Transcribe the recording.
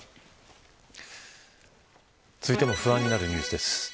続いても不安になるニュースです。